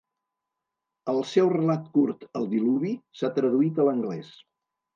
El seu relat curt "El diluvi" s'ha traduït a l'anglès.